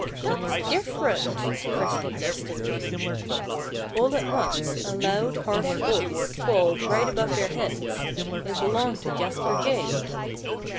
"That's different," Frisky blustered. All at once a loud, harsh voice squalled right above their heads. It belonged to Jasper Jay.